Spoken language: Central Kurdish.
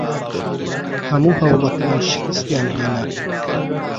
هەموو هەوڵەکان شکستیان هێنا.